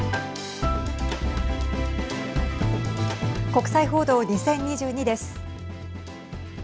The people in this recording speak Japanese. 国際報道２０２２です。